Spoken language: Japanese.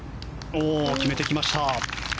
決めてきました。